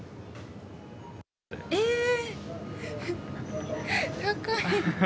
えー！